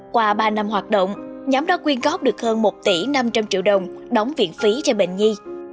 qua ba năm hoạt động nhóm đó quyên góp được hơn một tỷ năm trăm linh triệu đồng đóng viện phí cho bệnh nhi